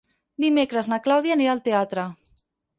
Dimecres na Clàudia anirà al teatre.